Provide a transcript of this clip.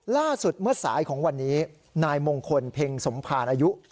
ล่าสุดเมื่อสายของวันนี้นายมงคลเพ็งสมภารอายุ